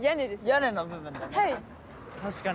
屋根の部分だよね。